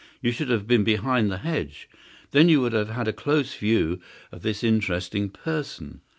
You should have been behind the hedge; then you would have had a close view of this interesting person.